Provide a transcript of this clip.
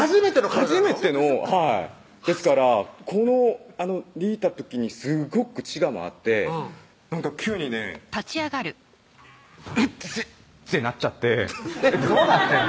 初めてのはいですからこう握った時にすごく血が回ってなんか急にね「うっ」ってなっちゃってどうなってんの？